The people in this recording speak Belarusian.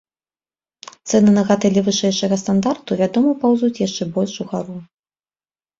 Цэны на гатэлі вышэйшага стандарту, вядома, паўзуць яшчэ больш угару.